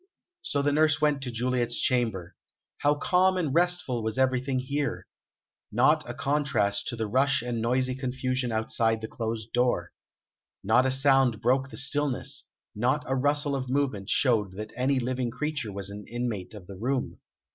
So the nurse went to Juliet's chamber.... How calm and restful was everything here! What a contrast to the rush and noisy confusion outside the closed door! Not a sound broke the stillness, not a rustle of movement showed that any living creature was an inmate of the room.